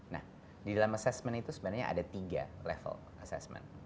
nah di dalam assessment itu sebenarnya ada tiga level assessment